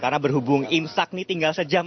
karena berhubung imsak nih tinggal sejam